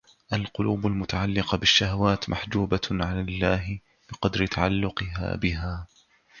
القلوب المتعلقة بالشهوات محجوبة عن الله بقدر تعلقها بها.